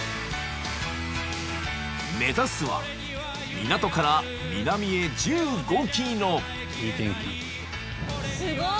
［目指すは港から南へ１５ｋｍ］